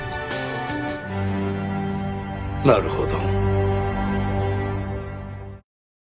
なるほど。